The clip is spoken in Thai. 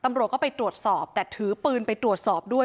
ตำรวจก็ไปตรวจสอบแต่ถือปืนไปตรวจสอบด้วย